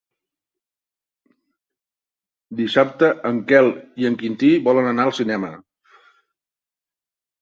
Dissabte en Quel i en Quintí volen anar al cinema.